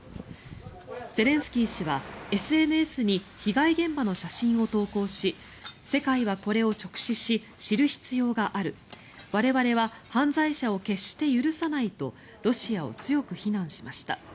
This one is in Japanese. ゼレンスキー氏はＳＮＳに被害現場の写真を投稿し世界はこれを直視し知る必要がある我々は犯罪者を決して許さないとロシアを強く非難しました。